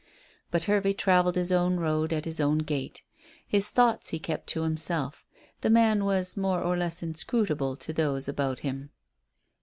But Hervey travelled his own road at his own gait. His thoughts he kept to himself. The man was more or less inscrutable to those about him.